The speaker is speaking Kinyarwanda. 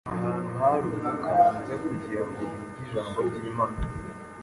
ahantu hari umwuka mwiza kugira ngo bige ijambo ry’Imana